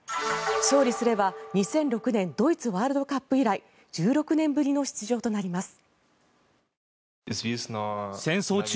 勝利すれば２００６年ドイツワールドカップ以来１６年ぶりの出場となります。